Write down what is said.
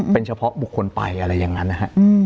เป็นเฉพาะบุคคลไปอะไรอย่างนั้นนะฮะ